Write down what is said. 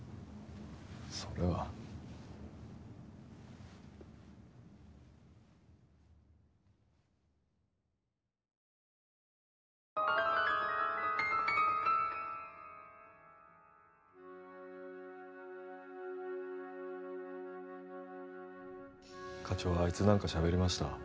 それは課長あいつ何かしゃべりました？